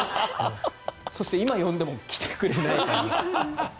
そして、今呼んでも来てくれないかな。